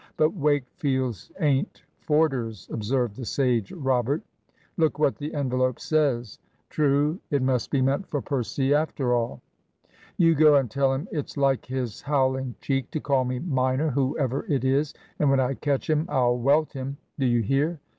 "But Wakefield's ain't Forder's," observed the sage Robert. "Look what the envelope says." True; it must be meant for Percy after all. "You go and tell him it's like his howling cheek to call me minor, whoever it is; and when I catch him I'll welt him. Do you hear?"